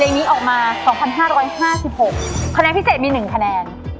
เลขนี้ออกมาสองพันห้าร้อยห้าร้อยห้าสิบหกคะแนนพิเศษมีหนึ่งคะแนน